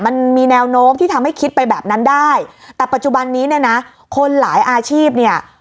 มันมีแนวโน้มที่ทำให้คิดไปแบบนั้นได้แต่ปัจจุบันนี้เนี่ยนะคนหลายอาชีพเนี่ย